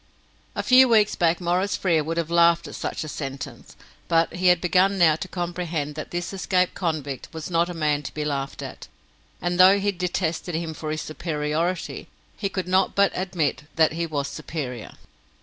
A few weeks back Maurice Frere would have laughed at such a sentence, but he had begun now to comprehend that this escaped convict was not a man to be laughed at, and though he detested him for his superiority, he could not but admit that he was superior.